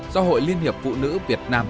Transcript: do hội liên hiệp phụ nữ việt nam